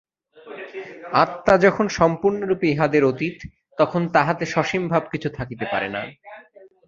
আত্মা যখন সম্পূর্ণরূপে ইহাদের অতীত, তখন তাঁহাতে সসীম ভাব কিছু থাকিতে পারে না।